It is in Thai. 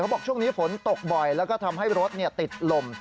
บอกช่วงนี้ฝนตกบ่อยแล้วก็ทำให้รถติดลม